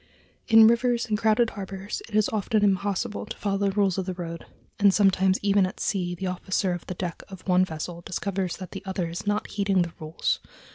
In rivers and crowded harbors it is often impossible to follow the rules of the road; and sometimes even at sea the officer of the deck of one vessel discovers that the other is not heeding the rules.